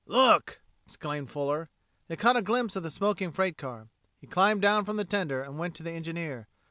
"Look!" exclaimed Fuller. They caught a glimpse of the smoking freight car. He climbed down from the tender and went to the engineer.